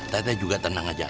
teteh juga tenang aja